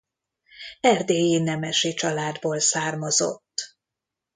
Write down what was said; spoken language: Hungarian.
Erdélyi nemesi családból származott.